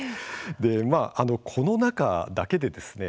この中だけでですね